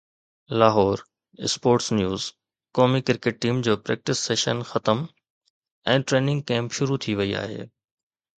Lahore (sports news) قومي cricket team جو practice session ختم ۽ ٽريننگ ڪيمپ شروع ٿي وئي آهي